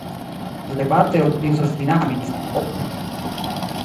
Plejparte, oni uzas "dinamis"-on en batalo.